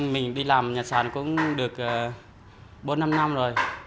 mình đi làm nhà sàn cũng được bốn năm năm rồi